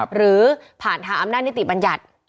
หรือผ่านทางอำนาจนิติบัญญัติ